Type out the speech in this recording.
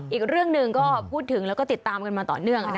อีกเรื่องหนึ่งก็พูดถึงแล้วก็ติดตามกันมาต่อเนื่อง